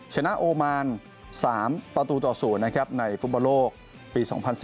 ชนะโอมาน๓ประตูต่อ๐นะครับในฟุตบอลโลกปี๒๐๑๘